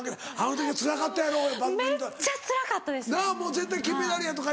絶対金メダルやとか言うて。